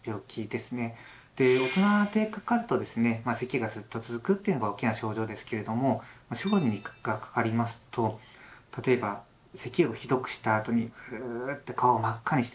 大人でかかるとですねせきがずっと続くというのが大きな症状ですけれども小児がかかりますと例えばせきをひどくしたあとにううっと顔を真っ赤にしてですね